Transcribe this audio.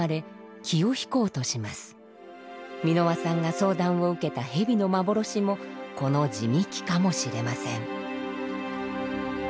蓑輪さんが相談を受けた蛇の幻もこの時媚鬼かもしれません。